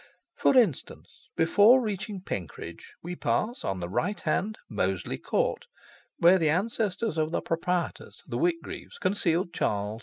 For instance, before reaching Penkridge we pass on the right hand, Moseley Court, where the ancestors of the proprietors, the Whitgreaves, concealed Charles II.